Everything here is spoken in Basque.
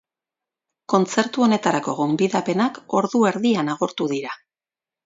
Kontzertu honetarako gonbidapenak ordu erdian agortu dira.